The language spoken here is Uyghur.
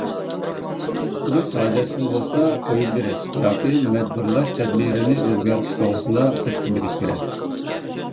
قاماپ تۇرۇش ھاجەتسىز بولسا، قويۇپ بېرىش ياكى مەجبۇرلاش تەدبىرىنى ئۆزگەرتىش توغرىسىدا تەكلىپ بېرىشى كېرەك.